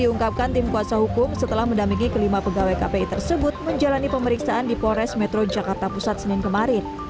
diungkapkan tim kuasa hukum setelah mendampingi kelima pegawai kpi tersebut menjalani pemeriksaan di polres metro jakarta pusat senin kemarin